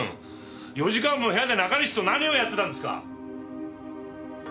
４時間も部屋で中西と何をやってたんですか！